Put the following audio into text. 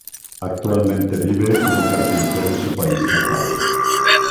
Actualmente vive como carpintero en su país natal.